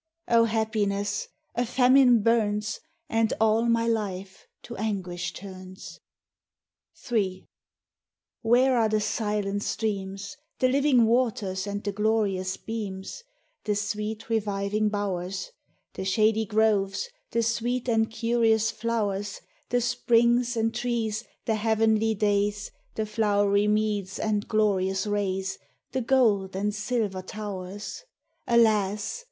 O Happiness ! A famine burns, And all my life to anguish turns ! Ill Where are the silent streams, The living waters and the glorious beams, The sweet reviving bowers, The shady groves, the sweet and curious flowers, The springs and trees, the heavenly days, The flow'ry meads, and glorious rays, The gold and silver towers ? Alas